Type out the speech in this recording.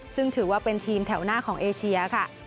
ซึ่งถือว่าเป็นทีมแถวหน้าของเอเชียค่ะ